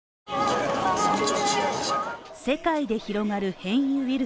世界で広がる変異ウイル